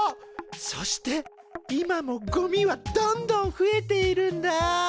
そして今もゴミはどんどん増えているんだ。